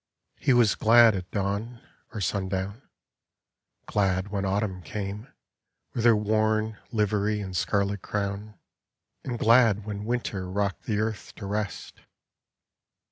He was glad At dawn or sundown; glad when Autumn came With her worn livery and scarlet crown. And glad when Winter rocked the earth to rest.